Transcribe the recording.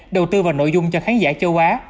đầu tư vào nội dung cho khán giả châu á